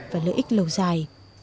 và lợi ích lâu dài